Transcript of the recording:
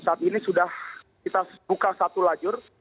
saat ini sudah kita buka satu lajur